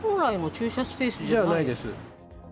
じゃないです。